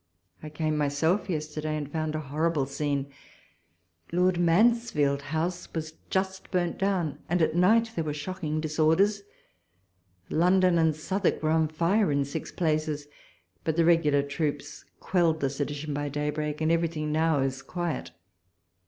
I came myself yesterday, and foimd a horrible scene. Lord Mansfield's house was just burnt down, and at night there were shocking dis orders. London and Southwark were on fire in six places ; but the regular troops quelled the sedition by daybreak, and everything now is quiet.